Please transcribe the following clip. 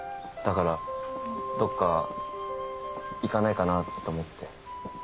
だからどっか行かないかなと思って。